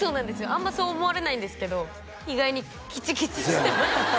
あんまそう思われないんですけど意外にきちきちしてます